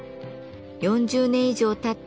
４０年以上たった